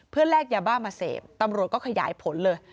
เพื่อแลกยาบ้ามาเสพตำรวจก็ขยายผลเลย